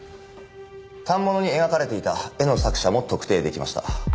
反物に描かれていた絵の作者も特定できました。